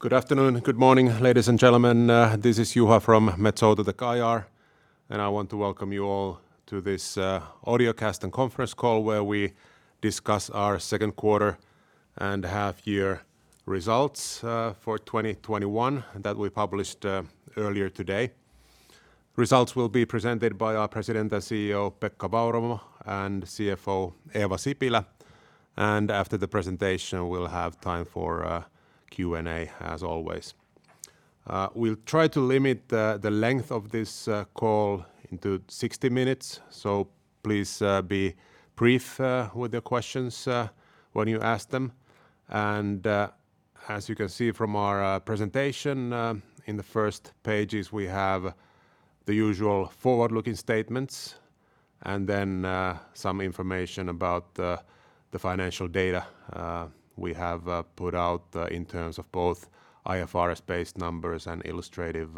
Good afternoon, good morning, ladies and gentlemen. This is Juha from Metso to the IR. I want to welcome you all to this audiocast and conference call where we discuss our second quarter and half-year results for 2021 that we published earlier today. Results will be presented by our President and CEO, Pekka Vauramo, and CFO, Eeva Sipilä. After the presentation, we'll have time for a Q&A as always. We'll try to limit the length of this call to 60 minutes. Please be brief with your questions when you ask them. As you can see from our presentation, in the first pages we have the usual forward-looking statements, some information about the financial data we have put out in terms of both IFRS-based numbers and illustrative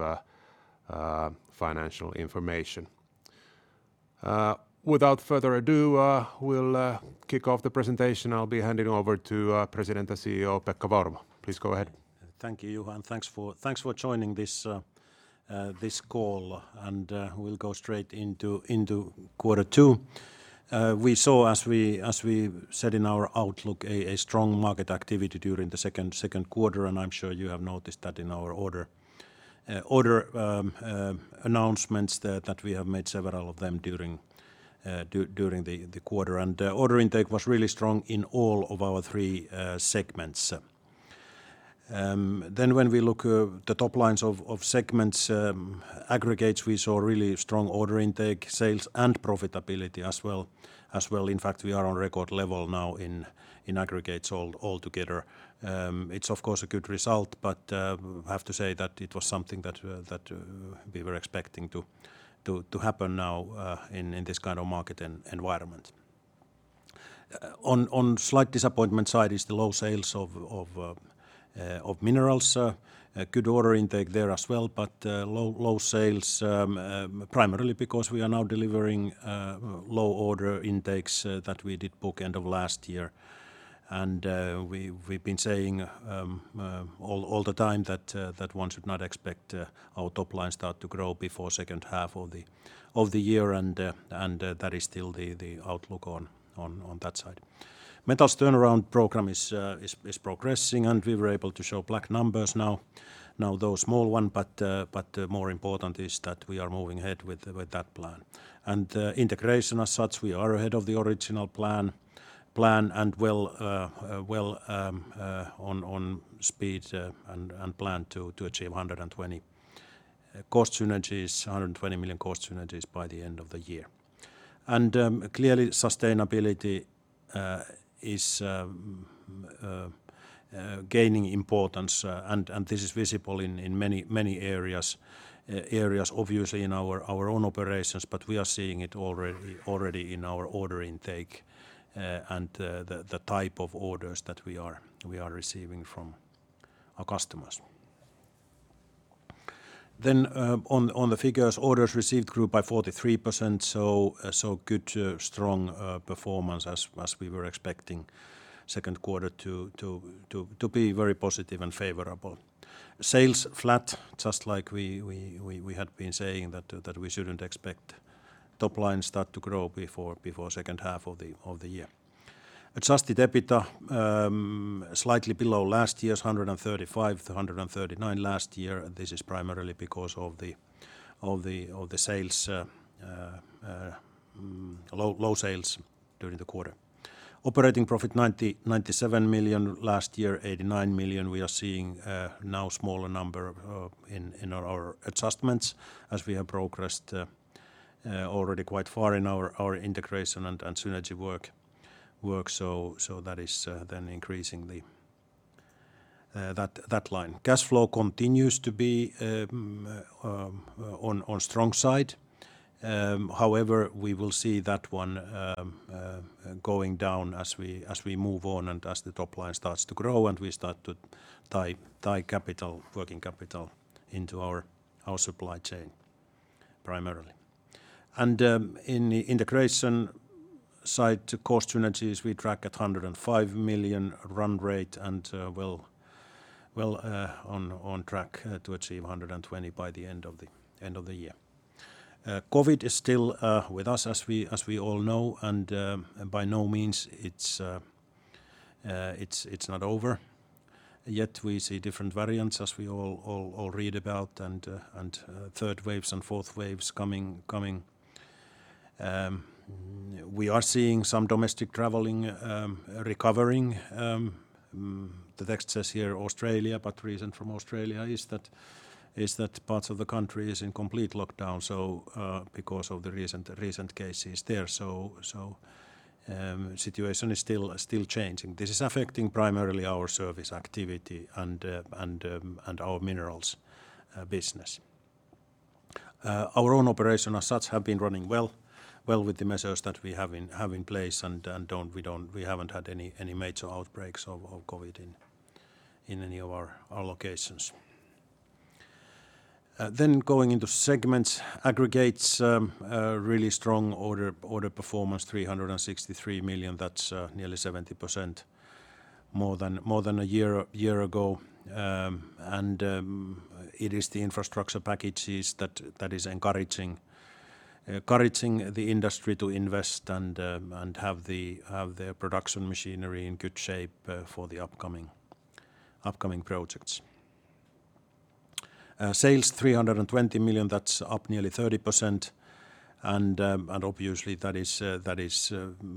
financial information. Without further ado, we'll kick off the presentation. I'll be handing over to President and CEO Pekka Vauramo. Please go ahead. Thank you, Juha, and thanks for joining this call. We'll go straight into quarter two. We saw, as we said in our outlook, a strong market activity during the second quarter, and I'm sure you have noticed that in our order announcements that we have made several of them during the quarter. Order intake was really strong in all of our three segments. When we look at the top lines of segments Aggregates, we saw really strong order intake, sales, and profitability as well. In fact, we are on record level now in Aggregates all together. It's of course a good result, but I have to say that it was something that we were expecting to happen now in this kind of market environment. On the slight disappointment side is the low sales of Minerals. A good order intake there as well, but low sales primarily because we are now delivering low order intakes that we did book end of last year. We've been saying all the time that one should not expect our top-line start to grow before the second half of the year and that is still the outlook on that side. Metals turnaround program is progressing, and we were able to show black numbers now, though small ones, but more important is that we are moving ahead with that plan. Integration as such, we are ahead of the original plan and well on speed and plan to achieve 120 million cost synergies by the end of the year. Clearly sustainability is gaining importance, and this is visible in many areas. Obviously in our own operations, we are seeing it already in our order intake and the type of orders that we are receiving from our customers. On the figures, orders received grew by 43%, good strong performance as we were expecting the second quarter to be very positive and favorable. Sales flat, just like we had been saying that we shouldn't expect top-line start to grow before the second half of the year. Adjusted EBITDA slightly below last year's 135 million-139 million last year. This is primarily because of the low sales during the quarter. Operating profit 97 million, last year 89 million. We are seeing now smaller numbers in our adjustments as we have progressed already quite far in our integration and synergy work. That is then increasing that line. Cash flow continues to be on the strong side. However, we will see that one going down as we move on and as the top line starts to grow and we start to tie working capital into our supply chain primarily. In the integration side, cost synergies we track at 105 million run rate and well on track to achieve 120 million by the end of the year. COVID-19 is still with us, as we all know, and by no means it's not over yet. We see different variants as we all read about and third waves and fourth waves coming. We are seeing some domestic traveling recovering. The text says here Australia, but the reason from Australia is that parts of the country are in complete lockdown because of the recent cases there. The situation is still changing. This is affecting primarily our service activity and our Minerals business. Our own operations as such have been running well with the measures that we have in place. We haven't had any major outbreaks of COVID-19 in any of our locations. Going into segments, Aggregates, a really strong order performance, 363 million. That's nearly 70% more than a year ago. It is the infrastructure packages that is encouraging the industry to invest and have their production machinery in good shape for the upcoming projects. Sales 320 million, that's up nearly 30%. Obviously that is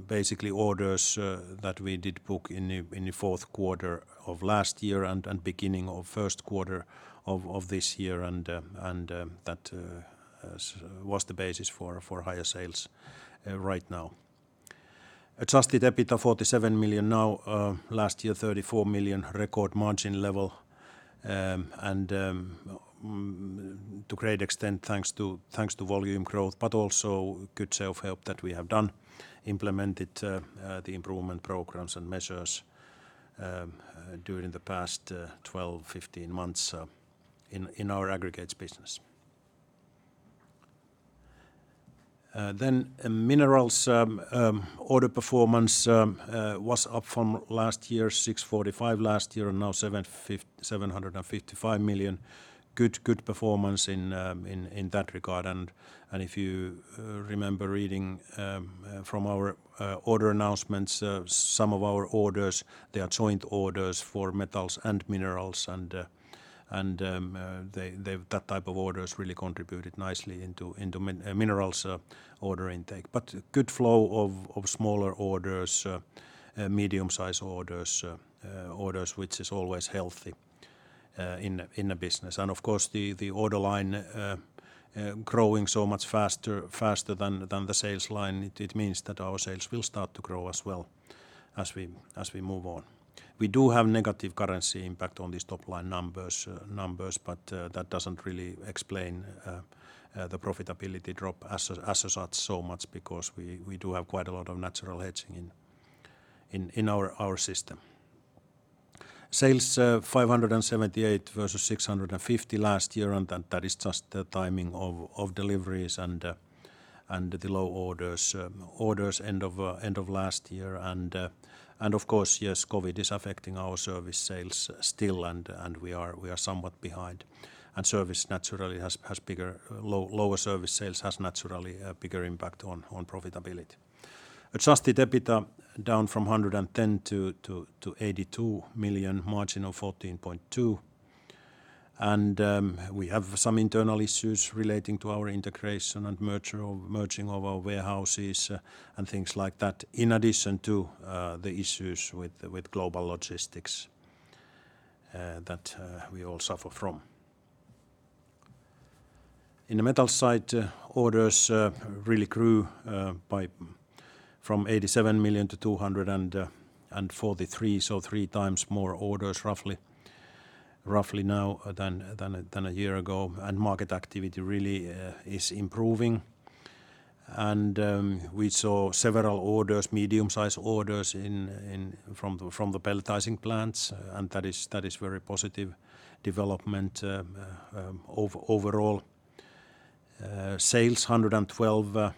basically orders that we did book in the fourth quarter of last year and beginning of first quarter of this year. That was the basis for higher sales right now. Adjusted EBITDA 47 million now, last year 34 million. Record margin level, to a great extent, thanks to volume growth, but also good self-help that we have done, implemented the improvement programs and measures during the past 12, 15 months in our Aggregates business. Minerals order performance was up from last year, 645 million last year, now 755 million. Good performance in that regard. If you remember reading from our order announcements, some of our orders, they are joint orders for Metals and Minerals. That type of orders really contributed nicely into Minerals order intake. Good flow of smaller orders, medium-sized orders which is always healthy in a business. Of course, the order line growing so much faster than the sales line, it means that our sales will start to grow as well as we move on. We do have negative currency impact on these top-line numbers, but that doesn't really explain the profitability drop as such so much because we do have quite a lot of natural hedging in our system. Sales 578 million versus 650 million last year, and that is just the timing of deliveries and the low orders end of last year. Of course, yes, COVID is affecting our service sales still, and we are somewhat behind. Lower service sales has naturally a bigger impact on profitability. Adjusted EBITDA down from 110 million-82 million, margin of 14.2%. We have some internal issues relating to our integration and merging of our warehouses and things like that, in addition to the issues with global logistics that we all suffer from. In the Metals side, orders really grew from 87 million-243 million, so three times more orders roughly now than a year ago. Market activity really is improving. We saw several orders, medium-sized orders from the pelletizing plants, and that is very positive development overall. Sales 112,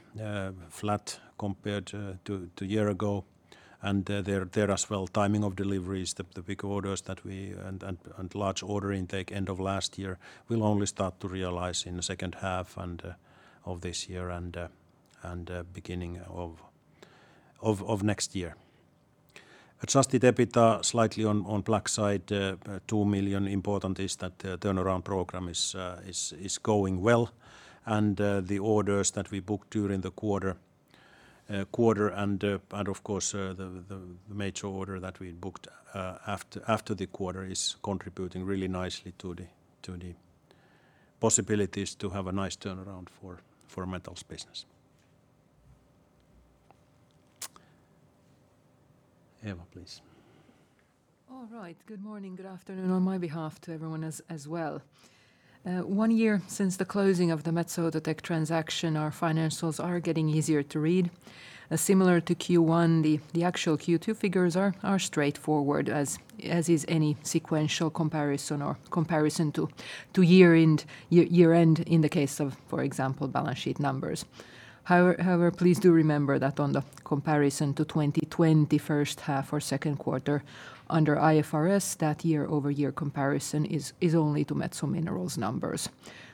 flat compared to year ago. There as well, timing of deliveries, the big orders and large order intake end of last year will only start to realize in the second half of this year and beginning of next year. Adjusted EBITDA slightly on black side, 2 million. Important is that the turnaround program is going well and the orders that we booked during the quarter and of course the major order that we booked after the quarter is contributing really nicely to the possibilities to have a nice turnaround for Metals business. Eeva, please. All right. Good morning, good afternoon on my behalf to everyone as well. One year since the closing of the Metso Outotec transaction, our financials are getting easier to read. Similar to Q1, the actual Q2 figures are straightforward, as is any sequential comparison or comparison to year-end in the case of, for example, balance sheet numbers. However, please do remember that on the comparison to 2020 first half or second quarter under IFRS, that year-over-year comparison is only to Metso Minerals numbers.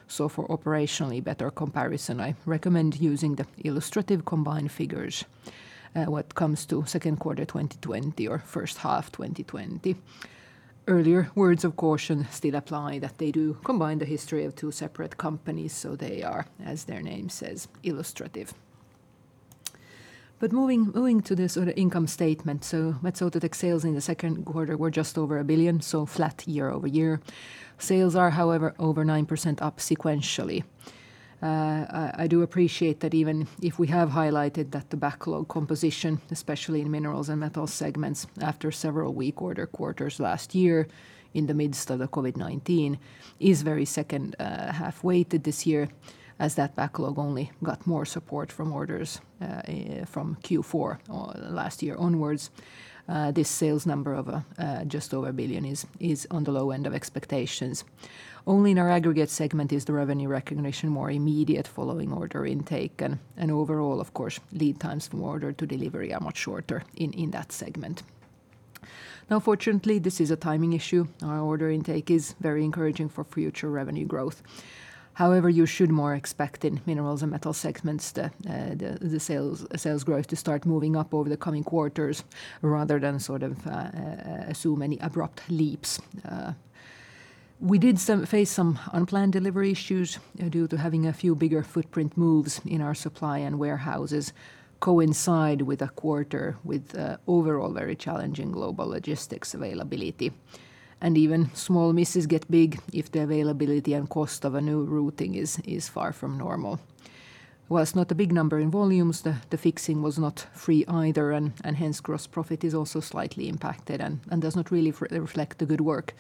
For operationally better comparison, I recommend using the illustrative combined figures when it comes to second quarter 2020 or first half 2020. Earlier words of caution still apply that they do combine the history of two separate companies, so they are, as their name says, illustrative. Moving to the income statement. Metso Outotec sales in the second quarter were just over 1 billion, flat year-over-year. Sales are, however, over 9% up sequentially. I do appreciate that even if we have highlighted that the backlog composition, especially in Minerals and Metals segments, after several weak order quarters last year in the midst of the COVID-19, is very second half weighted this year, as that backlog only got more support from orders from Q4 last year onwards. This sales number of just over 1 billion is on the low end of expectations. Only in our Aggregates segment is the revenue recognition more immediate following order intake, and overall, of course, lead times from order to delivery are much shorter in that segment. Fortunately, this is a timing issue. Our order intake is very encouraging for future revenue growth. However, you should more expect in Minerals and Metals segments the sales growth to start moving up over the coming quarters rather than assume any abrupt leaps. We did face some unplanned delivery issues due to having a few bigger footprint moves in our supply and warehouses coincide with a quarter with overall very challenging global logistics availability. Even small misses get big if the availability and cost of a new routing is far from normal. Whilst not a big number in volumes, the fixing was not free either and hence gross profit is also slightly impacted and does not really reflect the good work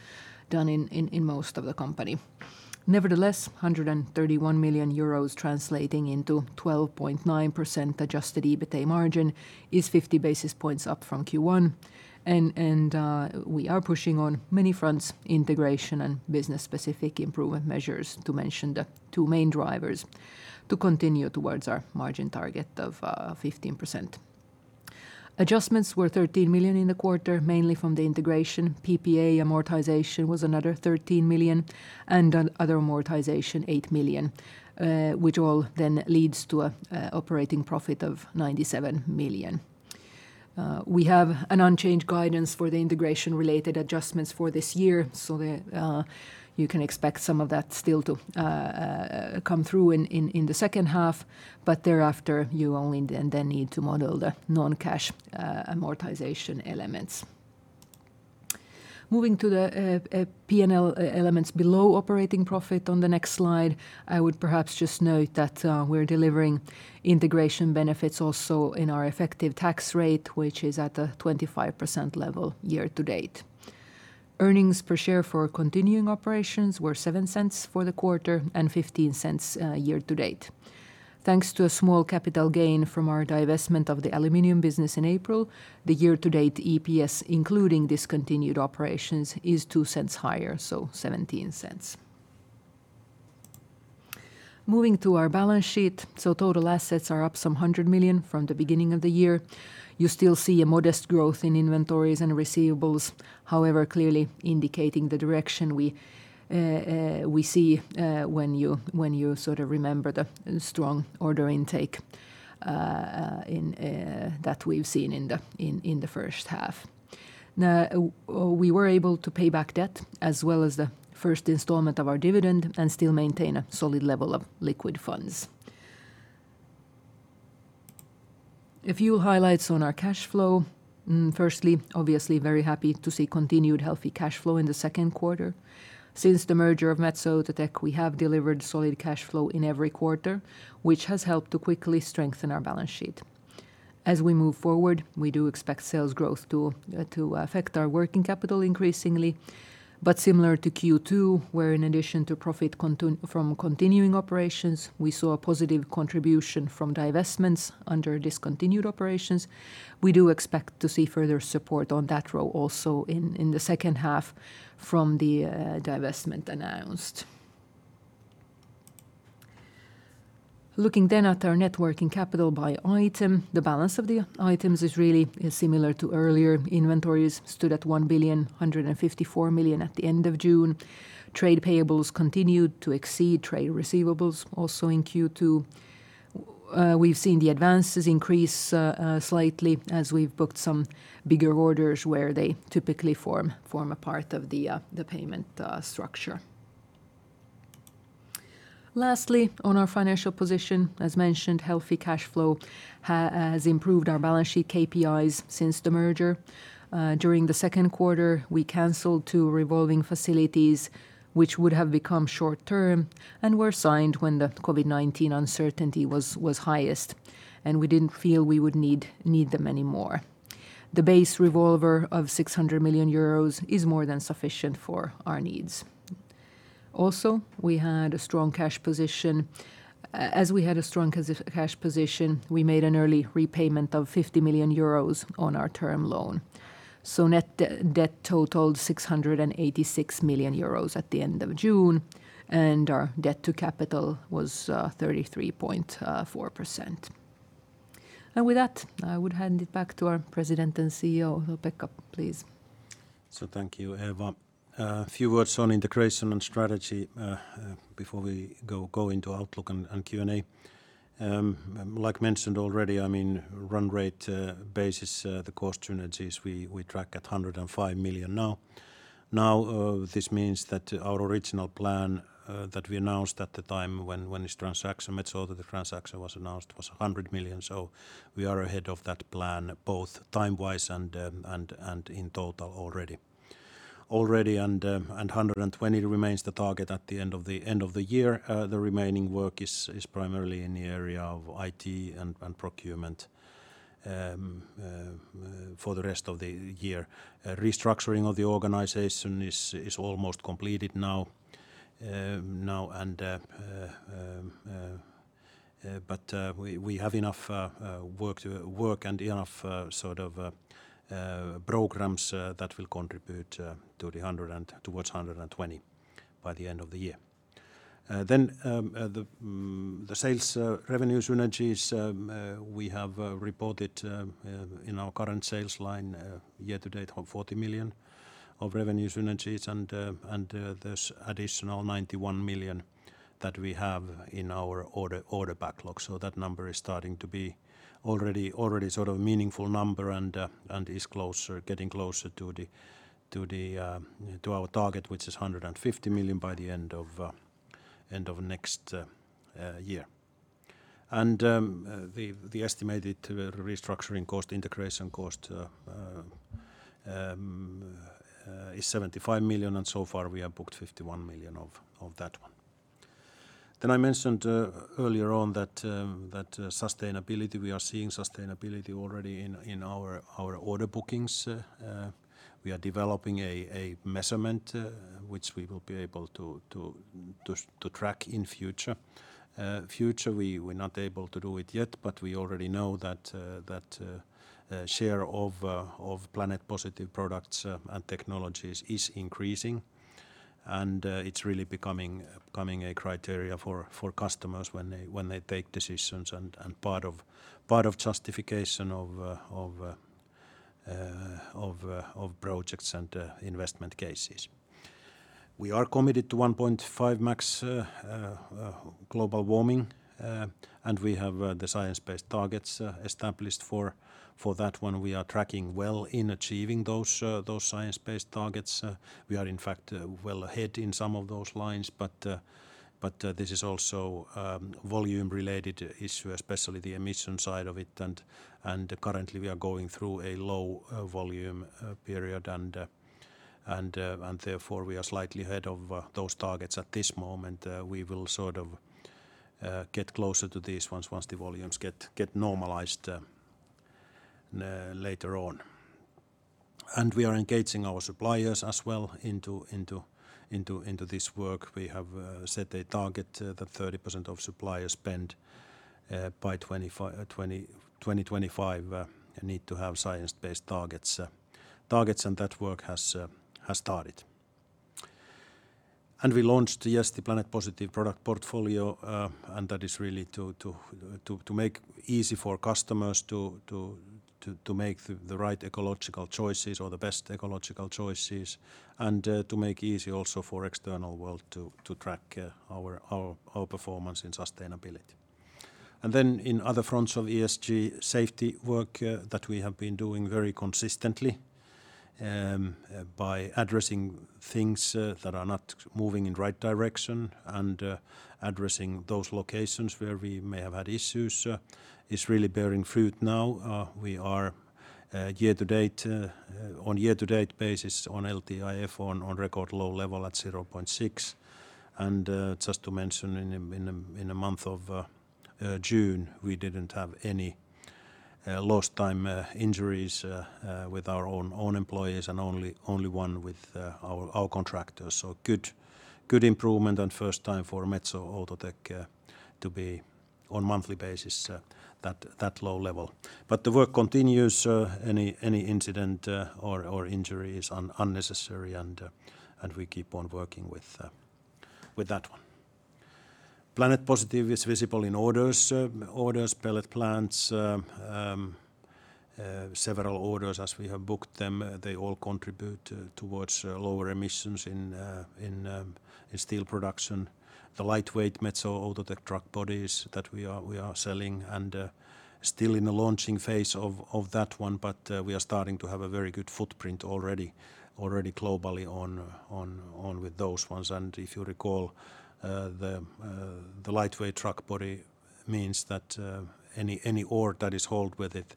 done in most of the company. 131 million euros translating into 12.9% Adjusted EBITA margin is 50 basis points up from Q1. We are pushing on many fronts, integration and business-specific improvement measures to mention the two main drivers to continue towards our margin target of 15%. Adjustments were 13 million in the quarter, mainly from the integration. PPA amortization was another 13 million and other amortization 8 million, which all then leads to an operating profit of 97 million. We have an unchanged guidance for the integration-related adjustments for this year. You can expect some of that still to come through in the second half. Thereafter, you only then need to model the non-cash amortization elements. Moving to the P&L elements below operating profit on the next slide, I would perhaps just note that we're delivering integration benefits also in our effective tax rate, which is at the 25% level year to date. Earnings per share for continuing operations were 0.07 for the quarter and 0.15 year to date. Thanks to a small capital gain from our divestment of the aluminum business in April, the year to date EPS, including discontinued operations, is 0.02 higher, so 0.17. Moving to our balance sheet. Total assets are up some 100 million from the beginning of the year. You still see a modest growth in inventories and receivables, however, clearly indicating the direction we see when you sort of remember the strong order intake that we've seen in the first half. We were able to pay back debt as well as the first installment of our dividend and still maintain a solid level of liquid funds. A few highlights on our cash flow. Firstly, obviously very happy to see continued healthy cash flow in the second quarter. Since the merger of Metso Outotec, we have delivered solid cash flow in every quarter, which has helped to quickly strengthen our balance sheet. As we move forward, we do expect sales growth to affect our working capital increasingly, but similar to Q2, where in addition to profit from continuing operations, we saw a positive contribution from divestments under discontinued operations. We do expect to see further support on that role also in the second half from the divestment announced. Looking at our net working capital by item, the balance of the items is really similar to earlier. Inventories stood at 1,154 million at the end of June. Trade payables continued to exceed trade receivables also in Q2. We've seen the advances increase slightly as we've booked some bigger orders where they typically form a part of the payment structure. Lastly, on our financial position, as mentioned, healthy cash flow has improved our balance sheet KPIs since the merger. During the second quarter, we canceled two revolving facilities which would have become short-term and were signed when the COVID-19 uncertainty was highest. We didn't feel we would need them anymore. The base revolver of 600 million euros is more than sufficient for our needs. We had a strong cash position. As we had a strong cash position, we made an early repayment of 50 million euros on our term loan. Net debt totaled 686 million euros at the end of June, and our debt to capital was 33.4%. With that, I would hand it back to our President and CEO, Pekka, please. Thank you, Eeva. A few words on integration and strategy before we go into outlook and Q&A. Like mentioned already, run rate basis, the cost synergies we track at 105 million now. This means that our original plan that we announced at the time when this transaction, Metso, the transaction was announced was 100 million. We are ahead of that plan both time-wise and in total already. 120 million remains the target at the end of the year. The remaining work is primarily in the area of IT and procurement for the rest of the year. Restructuring of the organization is almost completed now. We have enough work and enough programs that will contribute towards 120 million by the end of the year. The sales revenue synergies we have reported in our current sales line year to date of 40 million of revenue synergies and this additional 91 million that we have in our order backlog. That number is starting to be already a meaningful number and is getting closer to our target, which is 150 million by the end of next year. The estimated restructuring cost, integration cost is 75 million, and so far we have booked 51 million of that one. I mentioned earlier on that we are seeing sustainability already in our order bookings. We are developing a measurement which we will be able to track in future. We were not able to do it yet, but we already know that share of Planet Positive products and technologies is increasing, and it's really becoming a criteria for customers when they take decisions and part of justification of projects and investment cases. We are committed to 1.5 max global warming, and we have the science-based targets established for that one. We are tracking well in achieving those science-based targets. We are, in fact, well ahead in some of those lines, but this is also volume-related issue, especially the emission side of it, and currently we are going through a low volume period and therefore we are slightly ahead of those targets at this moment. We will get closer to these ones once the volumes get normalized later on. We are engaging our suppliers as well into this work. We have set a target that 30% of supplier spend by 2025 need to have science-based targets, and that work has started. We launched yesterday Planet Positive product portfolio, and that is really to make easy for customers to make the right ecological choices or the best ecological choices, and to make easy also for external world to track our performance in sustainability. In other fronts of ESG safety work that we have been doing very consistently by addressing things that are not moving in right direction and addressing those locations where we may have had issues is really bearing fruit now. We are on year to date basis on LTIF on record low level at 0.6. Just to mention in the month of June, we didn't have any lost time injuries with our own employees and only one with our contractors. Good improvement and first time for Metso Outotec to be on monthly basis that low level. The work continues. Any incident or injury is unnecessary and we keep on working with that one. Planet Positive is visible in orders, pellet plants, several orders as we have booked them. They all contribute towards lower emissions in steel production. The lightweight Metso Outotec Truck Bodies that we are selling and still in the launching phase of that one, but we are starting to have a very good footprint already globally with those ones. If you recall, the lightweight truck body means that any ore that is hauled with it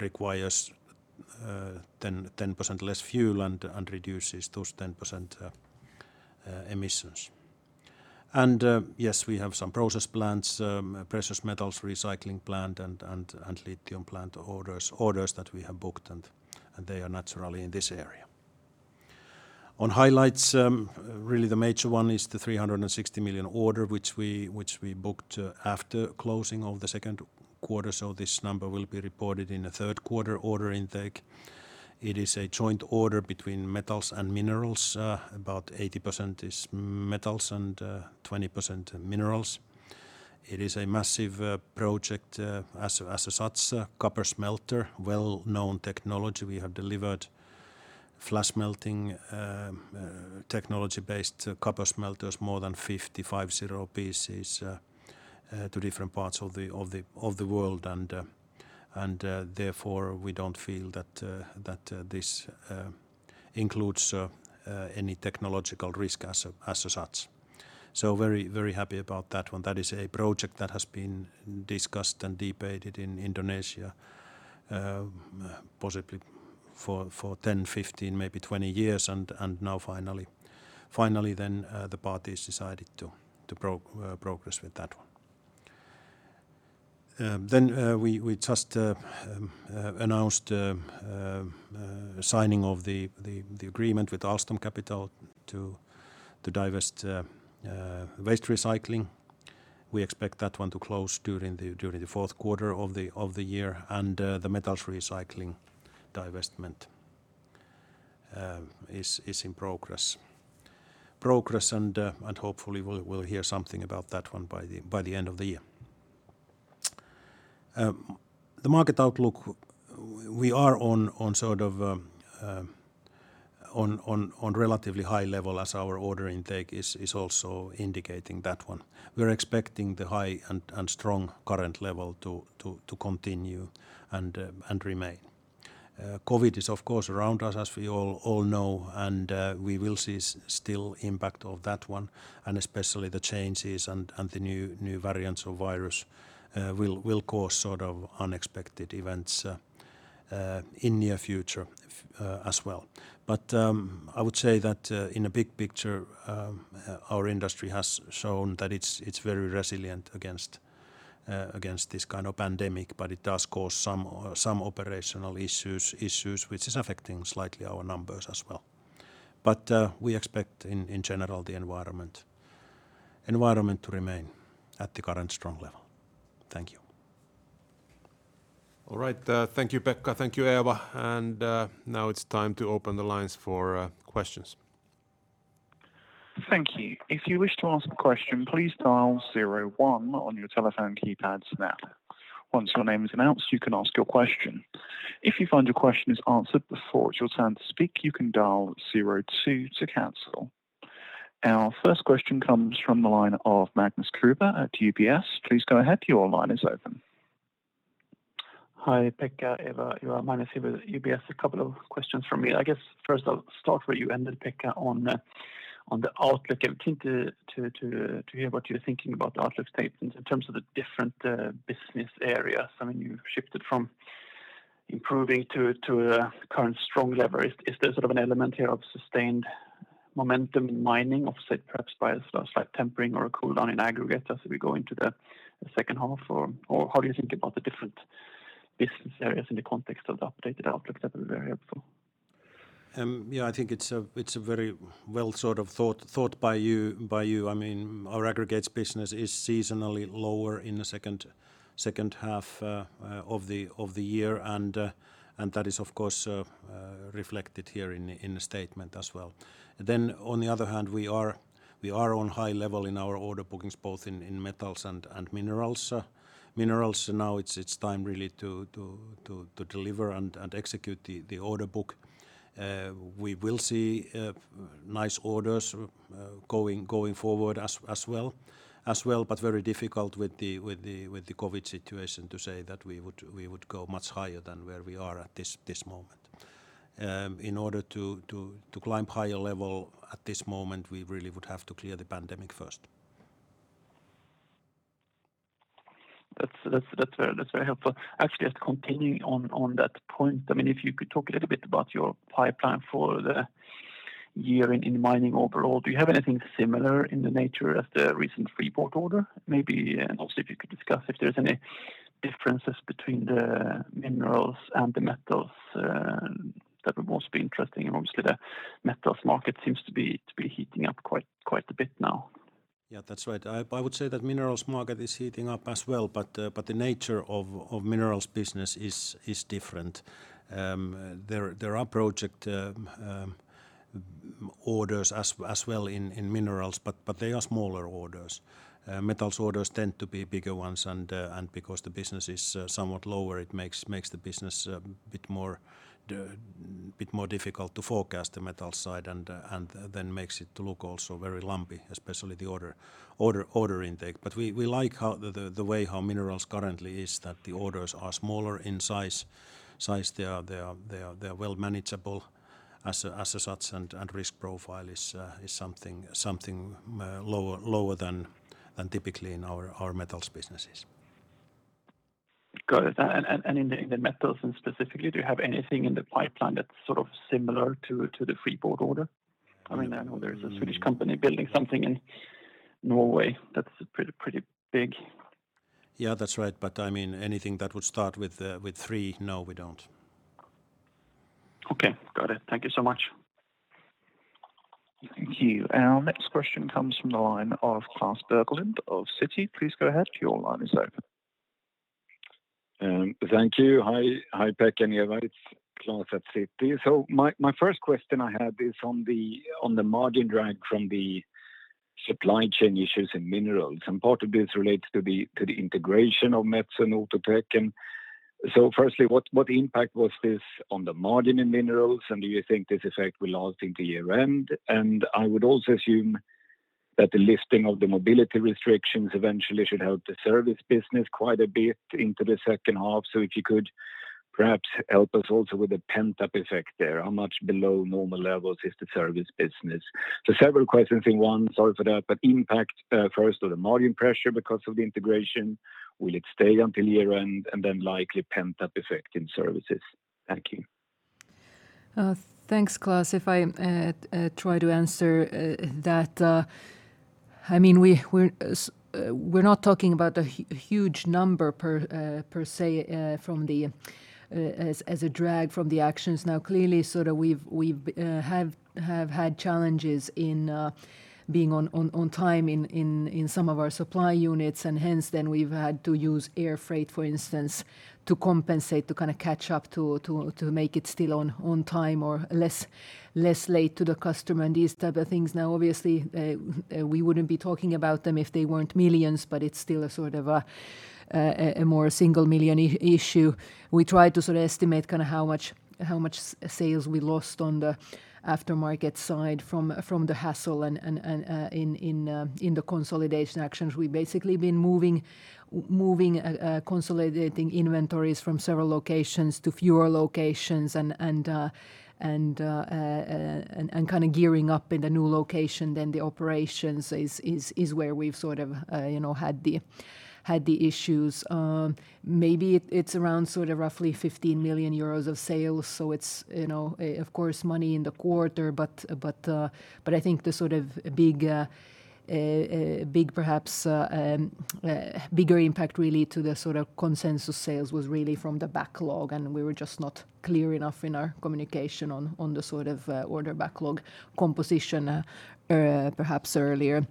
requires 10% less fuel and reduces those 10% emissions. Yes, we have some process plants, precious metals recycling plant and lithium plant orders that we have booked, and they are naturally in this area. On highlights, really the major one is the 360 million order which we booked after closing of the second quarter, so this number will be reported in the third quarter order intake. It is a joint order between Metals and Minerals. About 80% is Metals and 20% Minerals. It is a massive project as such, copper smelter, well-known technology. We have delivered Flash Smelting technology-based copper smelters, more than 50 pieces to different parts of the world. Therefore, we don't feel that this includes any technological risk as such. Very happy about that one. That is a project that has been discussed and debated in Indonesia possibly for 10, 15, maybe 20 years. Now finally then the parties decided to progress with that one. We just announced signing of the agreement with Ahlström Capital to divest Waste Recycling. We expect that one to close during the fourth quarter of the year and the Metals recycling divestment is in progress. Hopefully we'll hear something about that one by the end of the year. The market outlook, we are on relatively high level as our order intake is also indicating that one. We're expecting the high and strong current level to continue and remain. COVID is, of course, around us, as we all know, and we will see still impact of that one, and especially the changes and the new variants of virus will cause unexpected events in near future as well. I would say that in a big picture, our industry has shown that it's very resilient against this kind of pandemic, but it does cause some operational issues, which is affecting slightly our numbers as well. We expect, in general, the environment to remain at the current strong level. Thank you. All right. Thank you, Pekka. Thank you, Eeva. Now it's time to open the lines for questions. Thank you. If you wish to ask a question, please dial 01 on your telephone keypad now. Once your name is announced, you can ask your question. If you find your question is answered before it's your turn to speak, you can dial 02 to cancel. Our first question comes from the line of Magnus Kruber at UBS. Please go ahead. Your line is open. Hi, Pekka, Eeva. Magnus here with UBS. A couple of questions from me. I guess first I'll start where you ended, Pekka, on the outlook. I'm keen to hear what you're thinking about the outlook statement in terms of the different business areas. You've shifted from improving to a current strong level. Is there an element here of sustained momentum in Minerals, offset perhaps by a slight tempering or a cool down in Aggregates as we go into the second half? How do you think about the different business areas in the context of the updated outlook? That'd be very helpful. Yeah, I think it's very well thought by you. Our Aggregates business is seasonally lower in the second half of the year and that is, of course, reflected here in the statement as well. On the other hand, we are on high level in our order bookings, both in Metals and Minerals. Now it's time really to deliver and execute the order book. We will see nice orders going forward as well, very difficult with the COVID situation to say that we would go much higher than where we are at this moment. In order to climb higher level at this moment, we really would have to clear the pandemic first. That's very helpful. Actually, just continuing on that point, if you could talk a little bit about your pipeline for the year in mining overall. Do you have anything similar in the nature of the recent Freeport-McMoRan order? Maybe, also if you could discuss if there's any differences between the Minerals and the Metals, that would also be interesting. Obviously the metals market seems to be heating up quite a bit now. Yeah, that's right. I would say that Minerals market is heating up as well, the nature of Minerals business is different. There are project orders as well in Minerals, but they are smaller orders. Metals orders tend to be bigger ones and because the business is somewhat lower, it makes the business a bit more difficult to forecast the Metals side and then makes it look also very lumpy, especially the order intake. We like the way how Minerals currently is, that the orders are smaller in size. They are well manageable as such, and risk profile is something lower than typically in our Metals businesses. Got it. In the Metals then specifically, do you have anything in the pipeline that's similar to the Freeport-McMoRan order? I know there's a Swedish company building something in Norway that's pretty big. Yeah, that's right. Anything that would start with 3, no, we don't. Okay, got it. Thank you so much. Thank you. Our next question comes from the line of Klas Bergelind of Citi. Please go ahead. Your line is open. Thank you. Hi, Pekka and Eeva. It's Klas at Citi. My first question I had is on the margin drag from the supply chain issues in Minerals, and part of this relates to the integration of Metso and Outotec. Firstly, what impact was this on the margin in Minerals, and do you think this effect will last into year-end? I would also assume that the lifting of the mobility restrictions eventually should help the service business quite a bit into the second half. If you could perhaps help us also with the pent-up effect there. How much below normal levels is the service business? Several questions in one, sorry for that, but impact first of the margin pressure because of the integration, will it stay until year-end? Then likely pent-up effect in services. Thank you. Thanks, Klas. If I try to answer that, we're not talking about a huge number per se as a drag from the actions. Clearly, we have had challenges in being on time in some of our supply units, and hence then we've had to use air freight, for instance to compensate, to kind of catch up, to make it still on time or less late to the customer and these type of things. Obviously, we wouldn't be talking about them if they weren't millions, but it's still a more single 1 million issue. We tried to estimate how much sales we lost on the aftermarket side from the hassle and in the consolidation actions. We've basically been moving, consolidating inventories from several locations to fewer locations and gearing up in the new location, the operations is where we've had the issues. Maybe it's around roughly 15 million euros of sales. It's, of course, money in the quarter, but I think the bigger impact, really, to the consensus sales was really from the backlog, and we were just not clear enough in our communication on the order backlog composition perhaps earlier.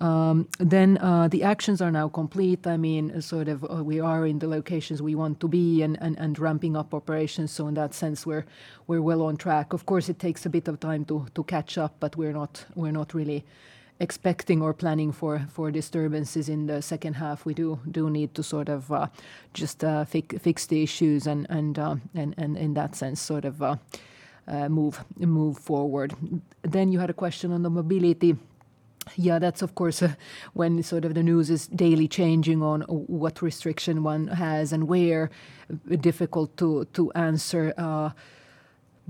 The actions are now complete. We are in the locations we want to be and ramping up operations, so in that sense, we're well on track. Of course, it takes a bit of time to catch up, but we're not really expecting or planning for disturbances in the second half. We do need to just fix the issues and in that sense, move forward. You had a question on the mobility. Yeah, that's, of course, when the news is daily changing on what restriction one has and where, difficult to answer.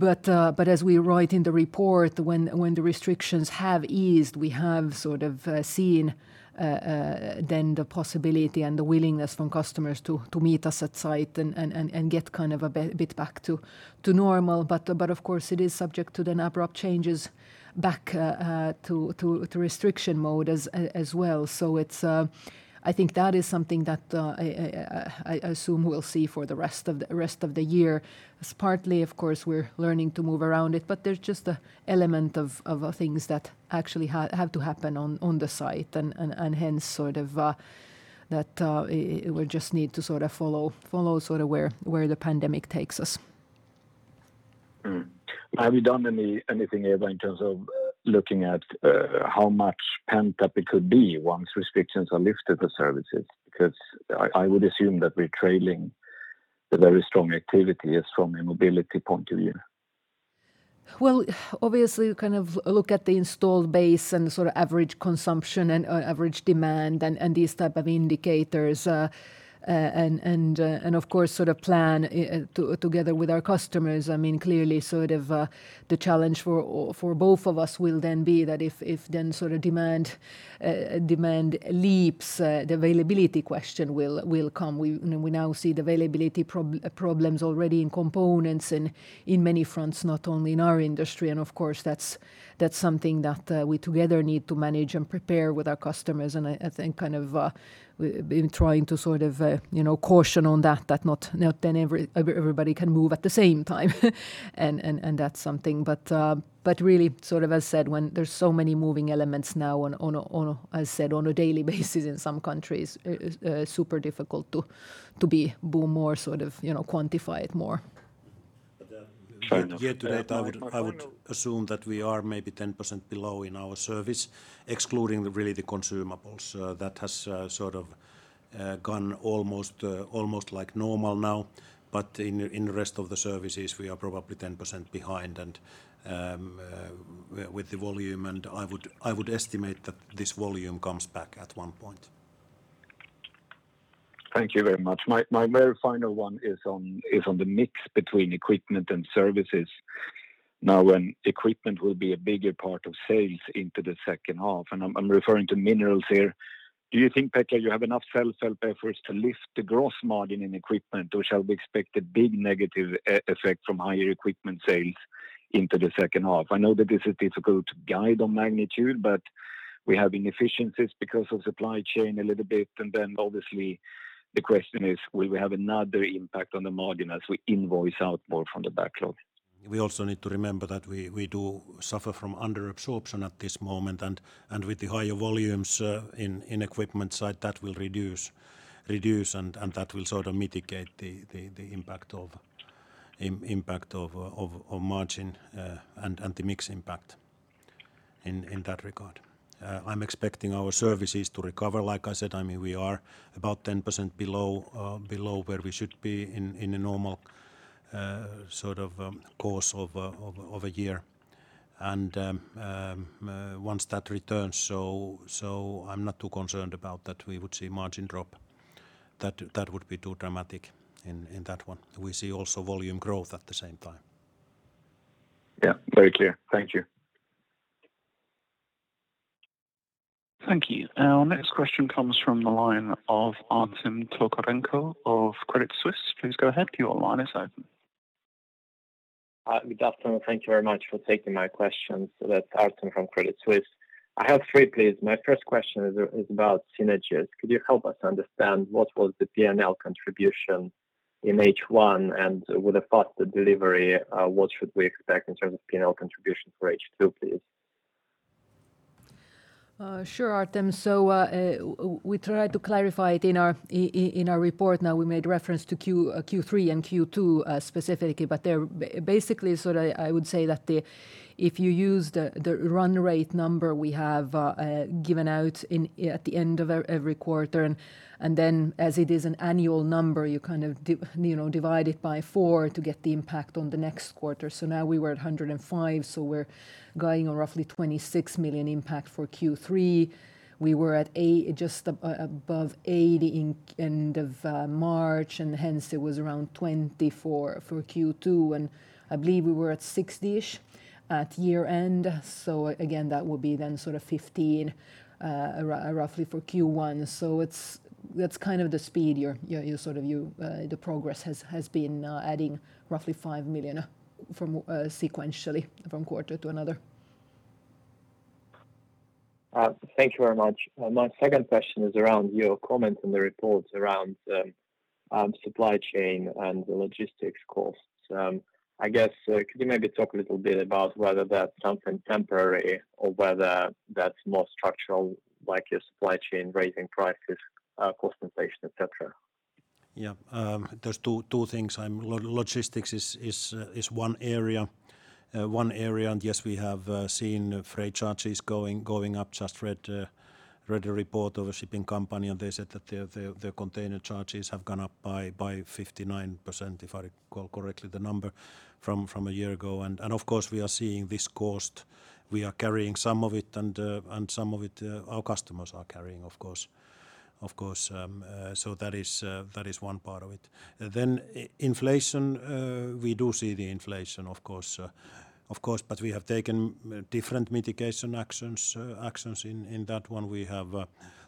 As we write in the report, when the restrictions have eased, we have seen then the possibility and the willingness from customers to meet us at site and get a bit back to normal. Of course, it is subject to then abrupt changes back to restriction mode as well. I think that is something that I assume we'll see for the rest of the year. Partly, of course, we're learning to move around it, but there's just an element of things that actually have to happen on the site, and hence we'll just need to follow where the pandemic takes us. Have you done anything, Eeva, in terms of looking at how much pent up it could be once restrictions are lifted for services? I would assume that we're trailing a very strong activity from a mobility point of view. Obviously, you look at the installed base and average consumption and average demand and these type of indicators, and of course plan together with our customers. Clearly, the challenge for both of us will then be that if demand leaps, the availability question will come. We now see the availability problems already in components and in many fronts, not only in our industry. Of course, that's something that we together need to manage and prepare with our customers, and I think we've been trying to caution on that not then everybody can move at the same time. That's something. Really, as said, when there's so many moving elements now, as said, on a daily basis in some countries, super difficult to be boom or quantify it more. But- Year-to-date, I would assume that we are maybe 10% below in our service, excluding really the consumables. That has gone almost like normal now. In the rest of the services, we are probably 10% behind with the volume, and I would estimate that this volume comes back at one point. Thank you very much. My very final one is on the mix between equipment and services. When equipment will be a bigger part of sales into the second half, and I'm referring to Minerals here, do you think, Pekka, you have enough self-help efforts to lift the gross margin in equipment, or shall we expect a big negative effect from higher equipment sales into the second half? I know that this is difficult to guide on magnitude, but we have inefficiencies because of supply chain a little bit, and then obviously the question is: Will we have another impact on the margin as we invoice out more from the backlog? We also need to remember that we do suffer from under absorption at this moment, and with the higher volumes in equipment side, that will reduce, and that will mitigate the impact of margin and the mix impact in that regard. I'm expecting our services to recover. Like I said, we are about 10% below where we should be in a normal course of a year. Once that returns, so I'm not too concerned about that we would see margin drop. That would be too dramatic in that one. We see also volume growth at the same time. Yeah, very clear. Thank you. Thank you. Our next question comes from the line of Artem Tarkhanov of Credit Suisse. Please go ahead. Your line is open. Good afternoon. Thank you very much for taking my questions. That's Artem from Credit Suisse. I have three, please. My first question is about synergies. Could you help us understand what was the P&L contribution in H1, and with a faster delivery, what should we expect in terms of P&L contribution for H2, please? Sure, Artem. We tried to clarify it in our report. We made reference to Q3 and Q2 specifically, but basically, I would say that if you use the run rate number we have given out at the end of every quarter, and then as it is an annual number, you divide it by 4 to get the impact on the next quarter. Now we were at 105 million, so we're guiding on roughly 26 million impact for Q3. We were at just above 80 million end of March, and hence it was around 24 million for Q2, and I believe we were at 60 million-ish at year-end. Again, that will be then sort of 15 million, roughly for Q1. That's kind of the speed the progress has been adding roughly 5 million sequentially from quarter to another. Thank you very much. My second question is around your comments on the reports around supply chain and the logistics costs. I guess, could you maybe talk a little bit about whether that's something temporary or whether that's more structural, like your supply chain raising prices, cost inflation, et cetera? Yeah. There's 2 things. Logistics is 1 area. 1 area, yes, we have seen freight charges going up. Just read a report of a shipping company, they said that their container charges have gone up by 59%, if I recall correctly, the number from a year ago. Of course, we are seeing this cost. We are carrying some of it, and some of it our customers are carrying, of course. That is 1 part of it. Inflation, we do see the inflation, of course, but we have taken different mitigation actions in that 1. We have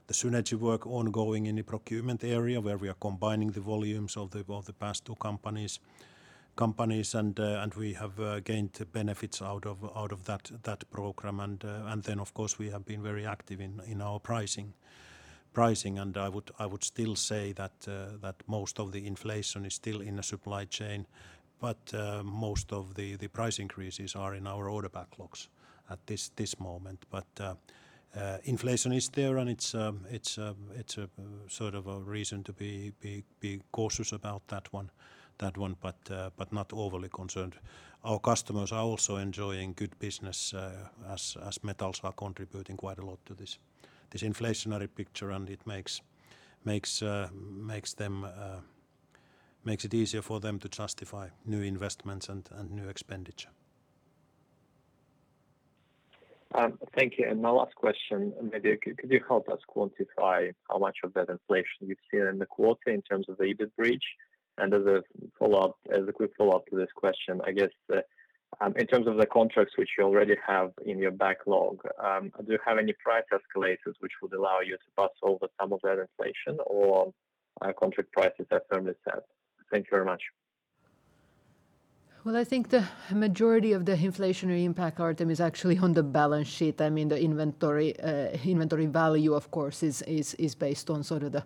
the synergy work ongoing in the procurement area where we are combining the volumes of the past 2 companies. We have gained benefits out of that program. Of course, we have been very active in our pricing. I would still say that most of the inflation is still in the supply chain. Most of the price increases are in our order backlogs at this moment. Inflation is there, and it's a reason to be cautious about that one, but not overly concerned. Our customers are also enjoying good business as metals are contributing quite a lot to this inflationary picture, and it makes it easier for them to justify new investments and new expenditure. Thank you. My last question, maybe could you help us quantify how much of that inflation you've seen in the quarter in terms of the EBIT bridge? As a quick follow-up to this question, I guess, in terms of the contracts which you already have in your backlog, do you have any price escalators which would allow you to pass over some of that inflation or contract prices are firmly set? Thank you very much. Well, I think the majority of the inflationary impact, Artem, is actually on the balance sheet. The inventory value, of course, is based on the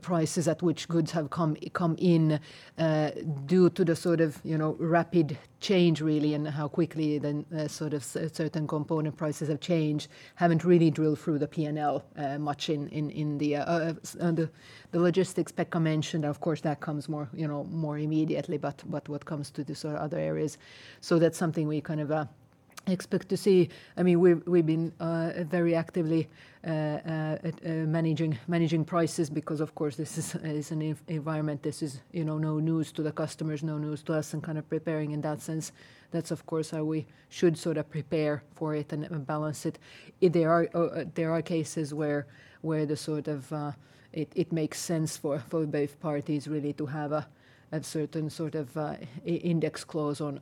prices at which goods have come in due to the rapid change, really, and how quickly certain component prices have changed. Haven't really drilled through the P&L much in the logistics Pekka mentioned. Of course, that comes more immediately, what comes to the other areas, that's something we kind of expect to see. We've been very actively managing prices because of course this is an environment, this is no news to the customers, no news to us and kind of preparing in that sense. That's of course how we should prepare for it and balance it. There are cases where it makes sense for both parties really to have a certain sort of index clause on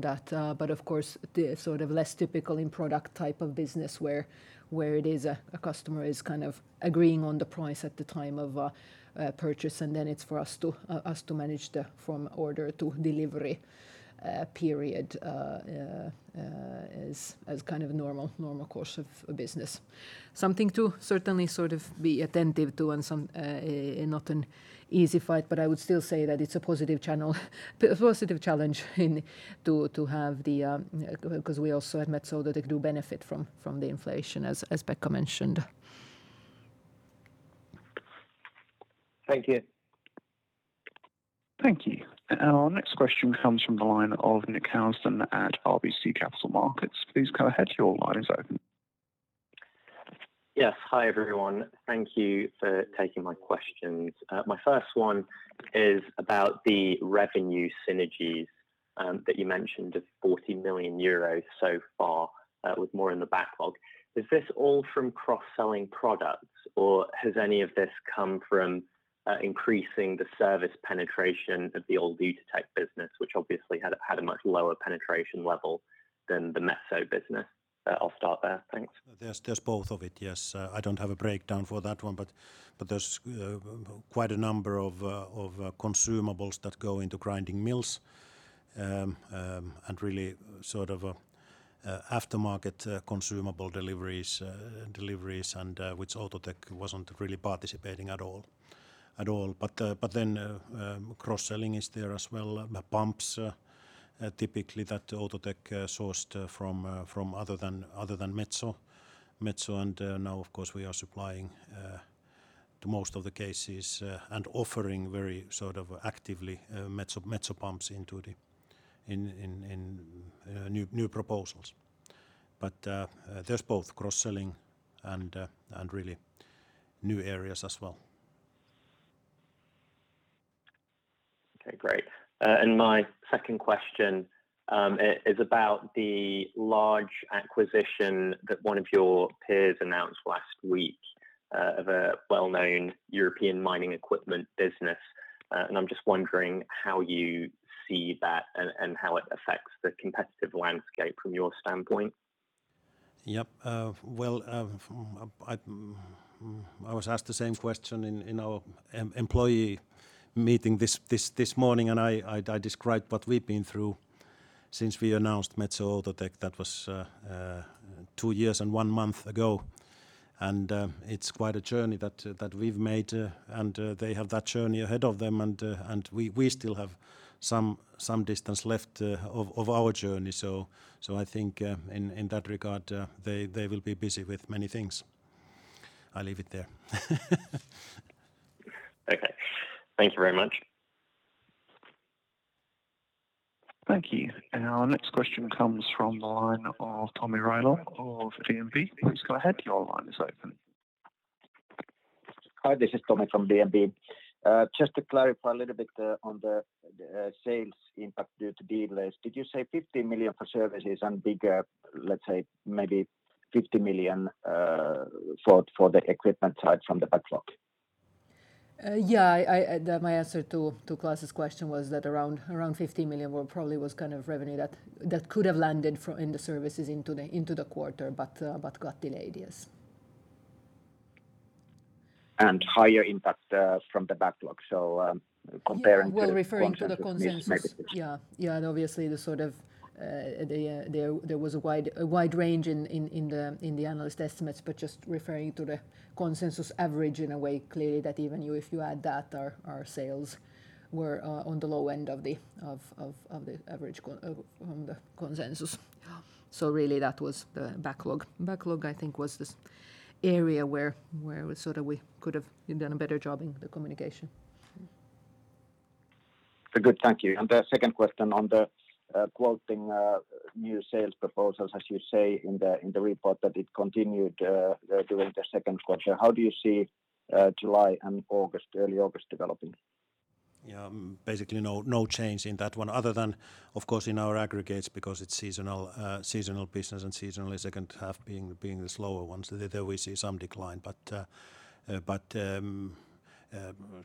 that. Of course, the less typical in product type of business where it is a customer is kind of agreeing on the price at the time of purchase, and then it's for us to manage the from order to delivery period as kind of a normal course of business. Something to certainly sort of be attentive to and not an easy fight, but I would still say that it's a positive challenge because we also at Metso do benefit from the inflation, as Pekka mentioned. Thank you. Thank you. Our next question comes from the line of Nick Housden at RBC Capital Markets. Please go ahead, your line is open. Yes. Hi, everyone. Thank you for taking my questions. My first one is about the revenue synergies that you mentioned of 40 million euros so far, with more in the backlog. Is this all from cross-selling products, or has any of this come from increasing the service penetration of the old Outotec business, which obviously had a much lower penetration level than the Metso business? I'll start there. Thanks. There's both of it, yes. I don't have a breakdown for that one, but there's quite a number of consumables that go into grinding mills, and really sort of aftermarket consumable deliveries and which Outotec wasn't really participating at all. Cross-selling is there as well. The pumps, typically that Outotec sourced from other than Metso. Now, of course, we are supplying to most of the cases, and offering very actively Metso pumps in new proposals. There's both cross-selling and really new areas as well. Okay, great. My second question is about the large acquisition that one of your peers announced last week of a well-known European mining equipment business. I'm just wondering how you see that and how it affects the competitive landscape from your standpoint. Yep. Well, I was asked the same question in our employee meeting this morning, and I described what we've been through since we announced Metso Outotec. That was 2 years and 1 month ago. It's quite a journey that we've made, and they have that journey ahead of them. We still have some distance left of our journey. I think in that regard, they will be busy with many things. I'll leave it there. Okay. Thank you very much. Thank you. Our next question comes from the line of Tomi Railo of DNB. Please go ahead. Your line is open. Hi, this is Tomi from DNB. Just to clarify a little bit on the sales impact due to deal delays, did you say 50 million for services and bigger, let's say maybe 50 million for the equipment side from the backlog? Yeah. My answer to Klas's question was that around 50 million probably was revenue that could have landed in the services into the quarter, but got delayed. Yes. Higher impact from the backlog, comparing to consensus maybe. Well, referring to the consensus. Yeah. Obviously there was a wide range in the analyst estimates, but just referring to the consensus average in a way, clearly that even if you add that our sales were on the low end of the consensus. Really that was the backlog. Backlog, I think was this area where we could have done a better job in the communication. Good. Thank you. The second question on the quoting new sales proposals, as you say in the report, that it continued during the second quarter, how do you see July and early August developing? Basically no change in that one other than, of course, in our Aggregates because it's seasonal business, and seasonally second half being the slower ones. There we see some decline.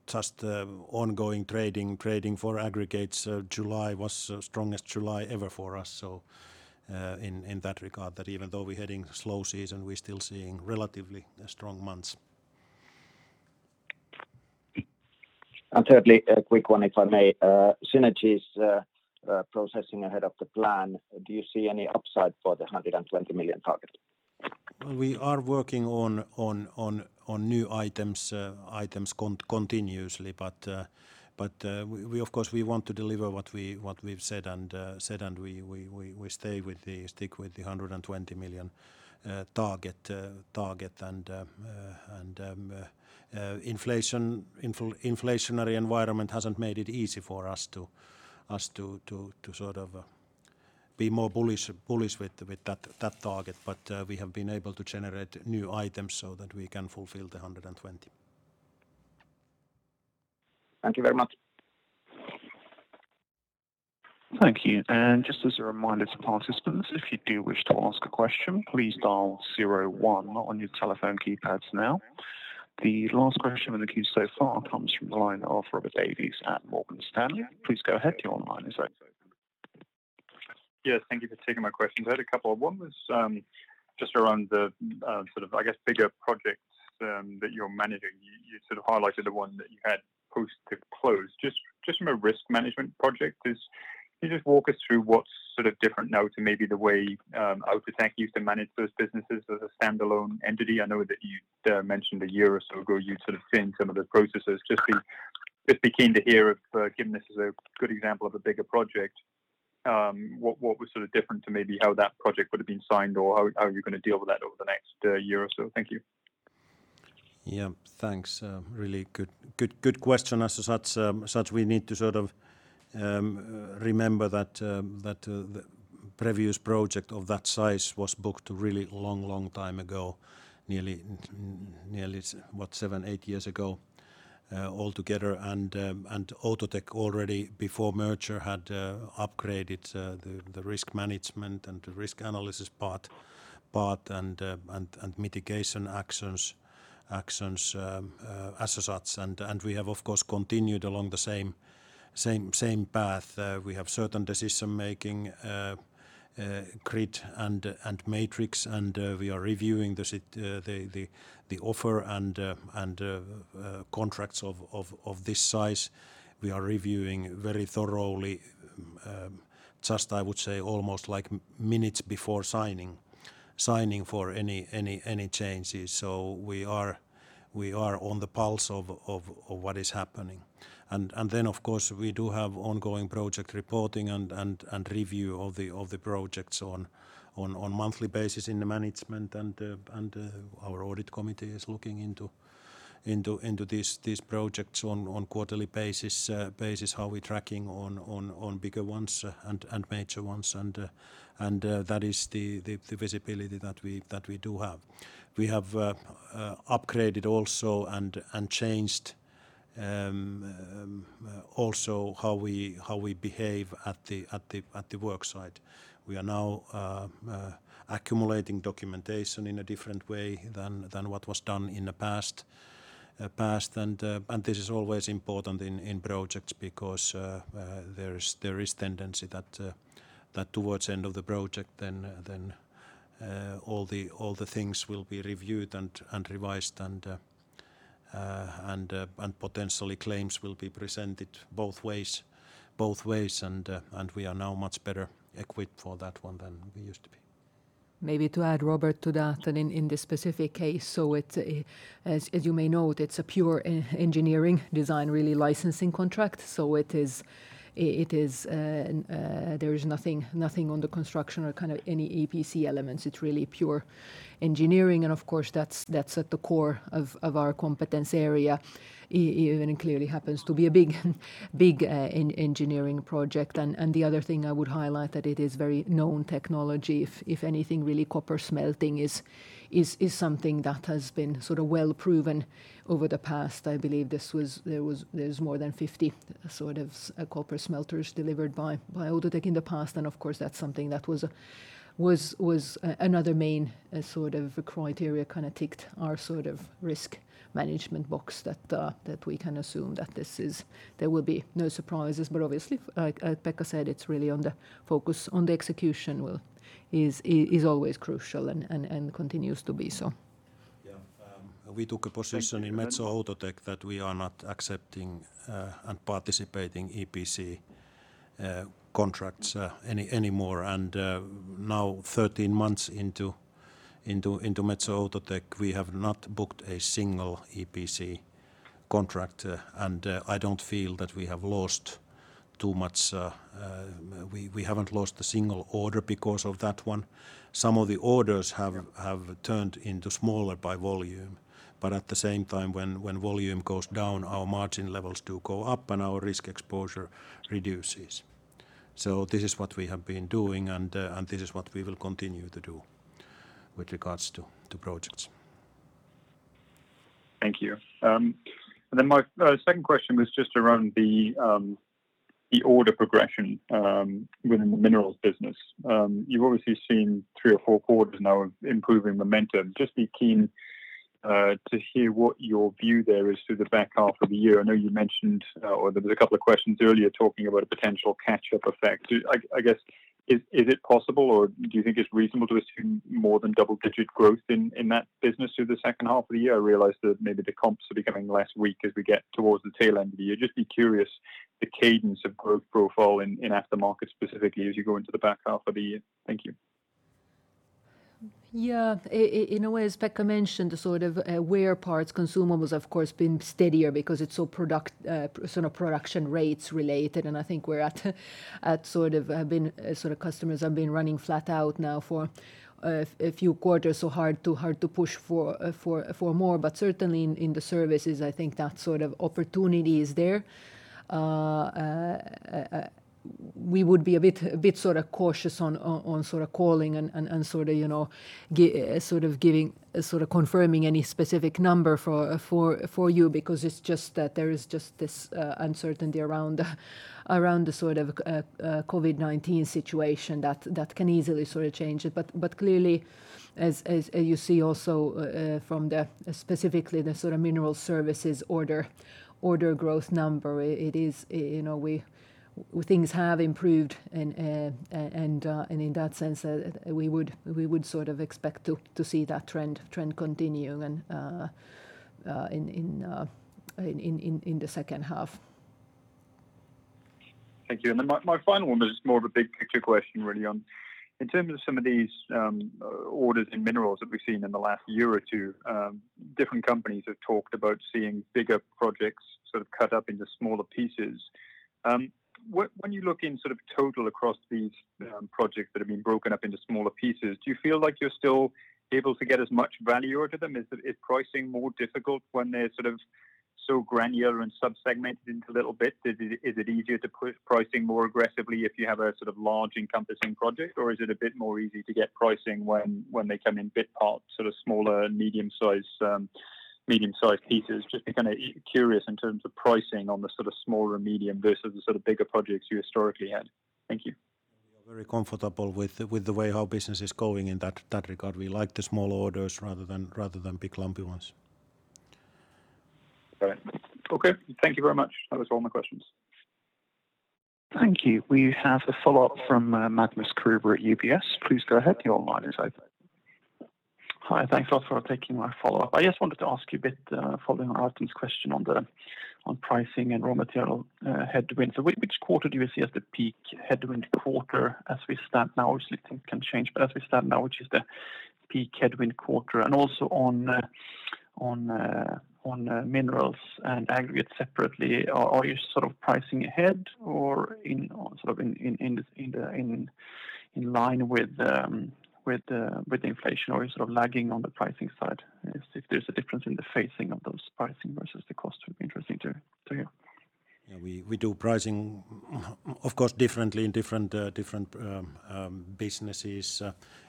Just ongoing trading for Aggregates, July was the strongest July ever for us. In that regard, even though we're heading slow season, we're still seeing relatively strong months. Thirdly, a quick one, if I may. Synergies processing ahead of the plan. Do you see any upside for the 120 million target? We are working on new items continuously. Of course, we want to deliver what we've said, and we stick with the 120 million target. Inflationary environment hasn't made it easy for us to be more bullish with that target. We have been able to generate new items so that we can fulfill the 120 million. Thank you very much. Thank you. Just as a reminder to participants, if you do wish to ask a question, please dial 01 on your telephone keypads now. The last question in the queue so far comes from the line of Robert Davies at Morgan Stanley. Please go ahead. Your line is open. Yes, thank you for taking my questions. I had a couple. One was just around the, I guess, bigger projects that you're managing. You highlighted the one that you had close. Just from a risk management project, can you just walk us through what's different now to maybe the way Outotec used to manage those businesses as a standalone entity? I know that you mentioned a year or so ago, you'd thinned some of the processes. Just be keen to hear if, given this is a good example of a bigger project, what was different to maybe how that project would have been signed or how you're going to deal with that over the next year or so. Thank you. Yeah, thanks. Really good question. As such, we need to remember that the previous project of that size was booked a really long time ago, nearly seven, eight years ago altogether. Outotec already before merger had upgraded the risk management and risk analysis part and mitigation actions as such. We have, of course, continued along the same path. We have certain decision-making grid and matrix, and we are reviewing the offer and contracts of this size. We are reviewing very thoroughly, just I would say almost like minutes before signing for any changes. We are on the pulse of what is happening. Then, of course, we do have ongoing project reporting and review of the projects on monthly basis in the management, and our audit committee is looking into these projects on a quarterly basis, how we're tracking on bigger ones and major ones. That is the visibility that we do have. We have upgraded also and changed also how we behave at the work site. We are now accumulating documentation in a different way than what was done in the past. This is always important in projects because there is tendency that towards the end of the project, all the things will be reviewed and revised and potentially claims will be presented both ways. We are now much better equipped for that one than we used to be. Maybe to add, Robert, to that in this specific case, as you may know, it's a pure engineering design, really licensing contract. There is nothing on the construction or kind of any EPC elements. It's really pure engineering, of course, that's at the core of our competence area, clearly happens to be a big engineering project. The other thing I would highlight that it is very known technology. If anything, really, copper smelting is something that has been sort of well-proven over the past. I believe there was more than 50 copper smelters delivered by Outotec in the past. Of course, that's something that was another main criteria kind of ticked our risk management box that we can assume that there will be no surprises. Obviously, like Pekka said, it's really on the focus on the execution is always crucial and continues to be so. Yeah. We took a position in Metso Outotec that we are not accepting and participating EPC contracts anymore. Now 13 months into Metso Outotec, we have not booked a single EPC contract, and I don't feel that we have lost too much. We haven't lost a single order because of that one. Some of the orders have turned into smaller by volume, but at the same time, when volume goes down, our margin levels do go up, and our risk exposure reduces. This is what we have been doing, and this is what we will continue to do with regards to projects. Thank you. Then my second question was just around the order progression within the Minerals business. You've obviously seen 3 or 4 quarters now of improving momentum. Just be keen to hear what your view there is through the back half of the year. I know you mentioned, or there was a couple of questions earlier talking about a potential catch-up effect. I guess is it possible, or do you think it's reasonable to assume more than double-digit growth in that business through the second half of the year? I realize that maybe the comps will be becoming less weak as we get towards the tail end of the year. Just be curious the cadence of growth profile in aftermarket specifically as you go into the back half of the year. Thank you. In a way, as Pekka mentioned, the sort of wear parts consumables, of course, been steadier because it's so production rates related, and I think customers have been running flat out now for a few quarters, so hard to push for more. Certainly in the services, I think that sort of opportunity is there. We would be a bit cautious on calling and confirming any specific number for you because there is just this uncertainty around the COVID-19 situation that can easily change it. Clearly, as you see also from specifically the Minerals services order growth number, things have improved, and in that sense, we would expect to see that trend continue in the second half. Thank you. My final one is more of a big picture question, really. In terms of some of these orders in Minerals that we've seen in the last one or two, different companies have talked about seeing bigger projects sort of cut up into smaller pieces. When you look in total across these projects that have been broken up into smaller pieces, do you feel like you're still able to get as much value out of them? Is pricing more difficult when they're so granular and sub-segmented into little bits? Is it easier to push pricing more aggressively if you have a large encompassing project, or is it a bit more easy to get pricing when they come in bit part, sort of smaller medium-sized pieces? Just be curious in terms of pricing on the sort of smaller medium versus the sort of bigger projects you historically had. Thank you. We are very comfortable with the way our business is going in that regard. We like the small orders rather than big clumpy ones. Great. Okay. Thank you very much. That was all my questions. Thank you. We have a follow-up from Magnus Kruber at UBS. Please go ahead. Your line is open. Hi. Thanks a lot for taking my follow-up. I just wanted to ask you a bit following on Martin's question on pricing and raw material headwind. Which quarter do you see as the peak headwind quarter as we stand now? Obviously, things can change, but as we stand now, which is the peak headwind quarter? Also on Minerals and Aggregates separately, are you sort of pricing ahead or in sort of in line with the inflation or are you lagging on the pricing side? If there's a difference in the facing of those pricing versus the cost, it would be interesting to hear. We do pricing, of course, differently in different businesses.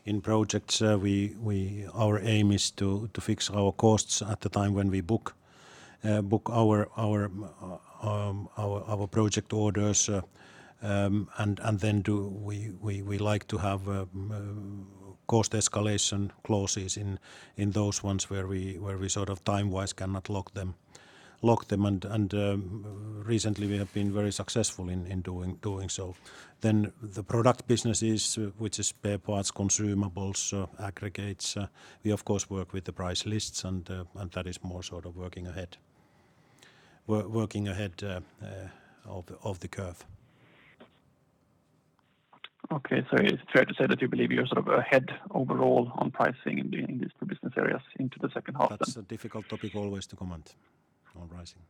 In projects, our aim is to fix our costs at the time when we book our project orders. Then we like to have cost escalation clauses in those ones where we time-wise cannot lock them. Recently we have been very successful in doing so. The product businesses, which is spare parts, consumables, Aggregates, we of course work with the price lists, and that is more working ahead of the curve. Okay. It's fair to say that you believe you're ahead overall on pricing in these two business areas into the second half then? That's a difficult topic always to comment on pricing.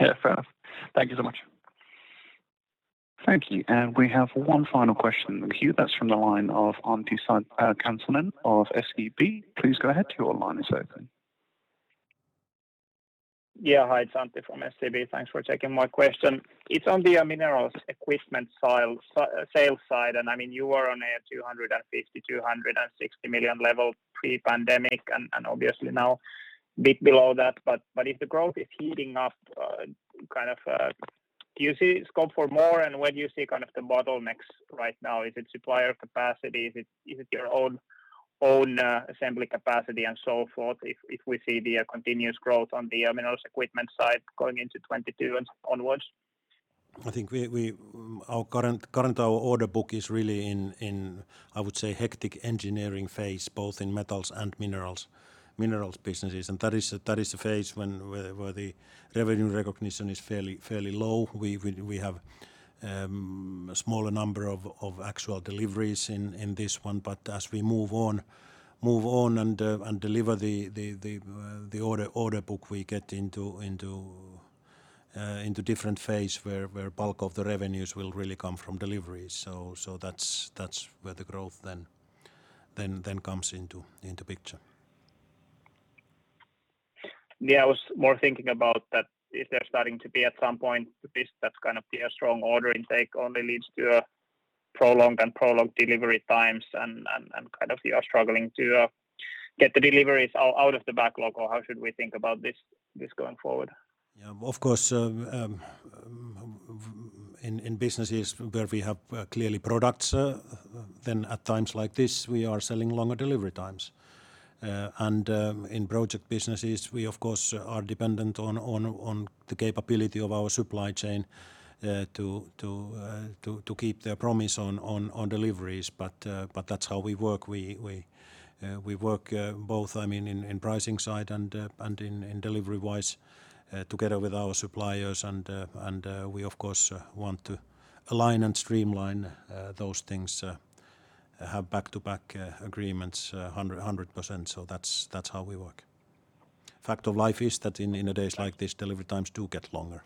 Yeah. Fair enough. Thank you so much. Thank you. We have one final question in the queue, that's from the line of Antti Kansanen of SEB. Please go ahead, your line is open. Yeah. Hi, it's Antti from SEB. Thanks for taking my question. It's on the Minerals equipment sales side. You were on a 250 million, 260 million level pre-pandemic and obviously now a bit below that, but if the growth is heating up, do you see scope for more and where do you see the bottlenecks right now? Is it supplier capacity? Is it your own assembly capacity and so forth, if we see the continuous growth on the Minerals equipment side going into 2022 and onwards? I think our current order book is really in, I would say, hectic engineering phase, both in Metals and Minerals businesses. That is a phase where the revenue recognition is fairly low. We have a smaller number of actual deliveries in this one. As we move on and deliver the order book, we get into different phase where bulk of the revenues will really come from deliveries. That's where the growth then comes into picture. Yeah, I was more thinking about that if they're starting to be at some point, that kind of strong order intake only leads to prolonged and prolonged delivery times and you are struggling to get the deliveries out of the backlog, or how should we think about this going forward? Yeah, of course, in businesses where we have clearly products, then at times like this, we are selling longer delivery times. In project businesses, we of course are dependent on the capability of our supply chain to keep their promise on deliveries. That's how we work. We work both, in pricing side and in delivery-wise together with our suppliers and we of course want to align and streamline those things, have back-to-back agreements 100%. That's how we work. Fact of life is that in days like this, delivery times do get longer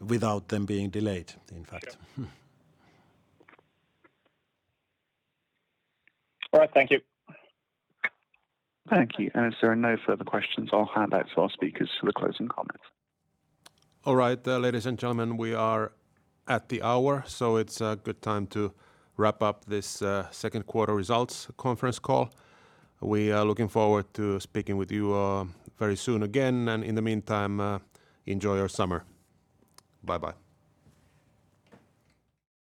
without them being delayed, in fact. Yeah. All right. Thank you. Thank you. If there are no further questions, I'll hand back to our speakers for the closing comments. All right. Ladies and gentlemen, we are at the hour, so it's a good time to wrap up this second quarter results conference call. We are looking forward to speaking with you very soon again, and in the meantime, enjoy your summer. Bye-bye.